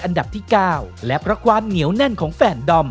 อันดับที่เก้าแล้วกระควานเหนียวแน่นของแฟนดอม